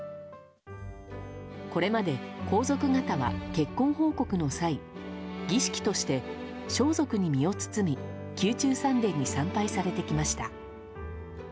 これまで皇族方は結婚奉告の際儀式として装束に身を包み宮中三殿に参拝されてきました。